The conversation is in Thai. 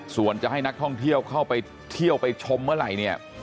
ส่วนจะให้นักท่องเที่ยวเข้าไปเที่ยวไปชมเมื่อไหร่เนี่ย